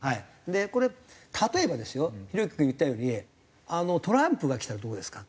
これ例えばですよひろゆき君が言ったようにトランプが来たらどうですか？